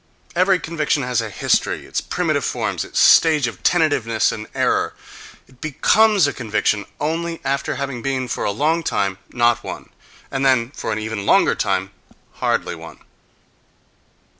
—Every conviction has its history, its primitive forms, its stage of tentativeness and error: it becomes a conviction only after having been, for a long time, not one, and then, for an even longer time, hardly one.